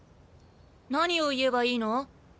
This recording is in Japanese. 何を言えばいいの？